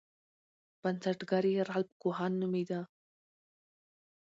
بنسټګر یې رالف کوهن نومیده.